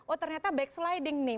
oh ternyata backsliding nih